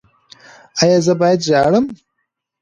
ایا زه باید ژاړم؟